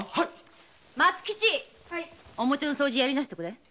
松吉掃除やり直しておくれ。